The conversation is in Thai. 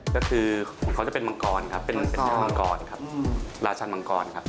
ก็คือของเขาจะเป็นมังกรครับเป็นมังกรครับราชันมังกรครับ